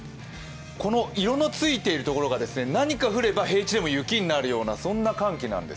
この色のついているところが何か降れば平地でも雪になるようなそんな寒気なんです。